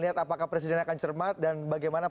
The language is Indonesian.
lihat apakah presiden akan cermat dan bagaimana